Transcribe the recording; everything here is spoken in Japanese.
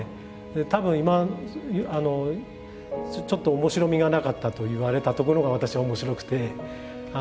たぶん今ちょっと面白みがなかったと言われたところが私は面白くて。